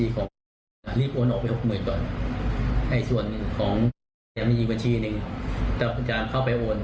ของยังมีกระชีนึงตอนจานเข้าไปโอน